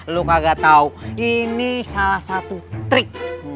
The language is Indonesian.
lu kagak tau ini salah satu trik